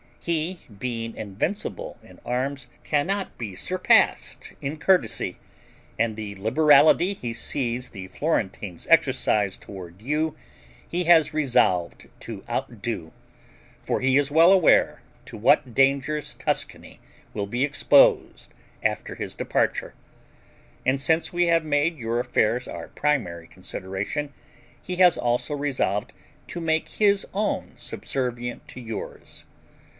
He, being invincible in arms, cannot be surpassed in courtesy, and the liberality he sees the Florentines exercise toward you, he has resolved to outdo; for he is well aware to what dangers Tuscany will be exposed after his departure, and since we have made your affairs our primary consideration, he has also resolved to make his own subservient to yours.